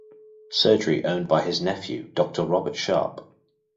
Surgery owned by his nephew, Doctor Robert Sharp.